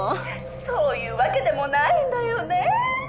「そういうわけでもないんだよね」